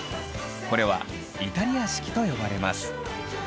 これはイタリア式と呼ばれます。